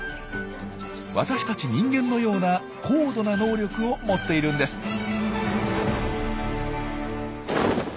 私たち人間のような高度な能力を持っているんです。